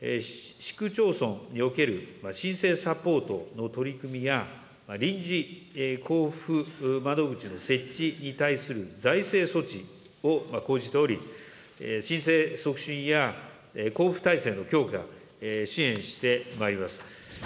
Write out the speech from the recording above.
市区町村における申請サポートの取り組みや、臨時交付窓口の設置に対する財政措置を講じており、申請促進や交付体制の強化、支援してまいります。